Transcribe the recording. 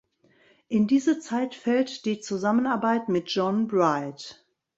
In diese Zeit fällt die Zusammenarbeit mit John Bright.